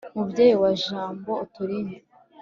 mubyeyi wa jambo, uturinde